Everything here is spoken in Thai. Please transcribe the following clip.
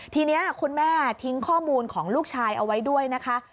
ทีนี้คุณแม่ทิ้งข้อมูลของลูกชายเอาไว้ด้วยนะคะ